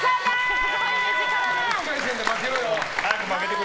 １回戦で負けろよ。